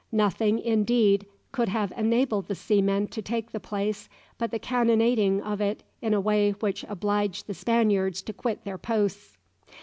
Nothing, indeed, could have enabled the seamen to take the place but the cannonading of it in a way which obliged the Spaniards to quit their posts.